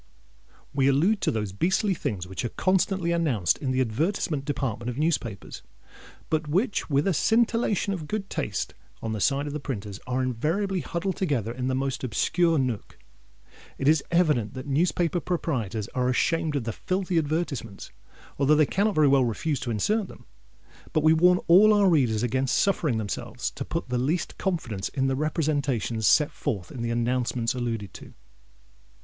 We allude to those beastly things which are constantly announced in the advertisement department of newspapers, but which, with a scintillation of good taste on the side of the printers, are invariably huddled together in the most obscure nook. It is evident that newspaper proprietors are ashamed of the filthy advertisements, although they cannot very well refuse to insert them. But we warn all our readers against suffering themselves to put the least confidence in the representations set forth in the announcements alluded to.